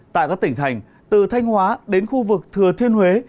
tại các tỉnh thành từ thanh hóa đến khu vực thừa thiên huế